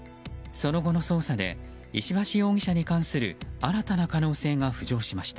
その後の捜査で石橋容疑者に関する新たな可能性が浮上しました。